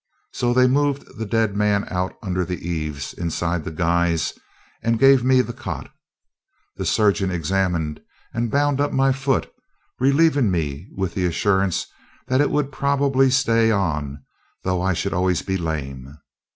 So they moved the dead man out under the eaves inside the guys, and gave me the cot. The surgeon examined and bound up my foot, relieving me with the assurance that it would probably stay on, though I should be always lame.